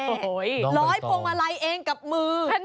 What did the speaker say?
ร้อยพวงมาลัยเองกับมือ